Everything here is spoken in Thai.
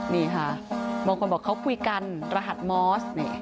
นี่ค่ะบางคนบอกเขาคุยกันรหัสมอส